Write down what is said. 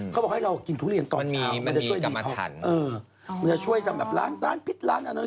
เขาบอกให้เราแต่ว่าไม่ได้กินมานานละมันมีกรรมาธรรม